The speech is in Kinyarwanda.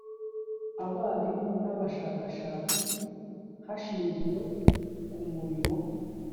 abarimu n abashakashatsi hashingiwe ku murimo